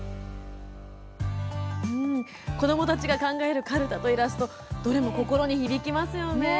子どもたちが考えたかるたとイラストどれも心に響きますね。